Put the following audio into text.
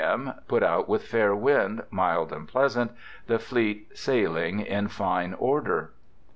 m. — Put out with a fair wind — mild and pleasant — the fleet sailing in fine order.